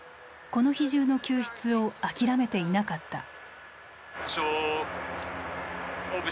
この日中の救出を諦めていなかった。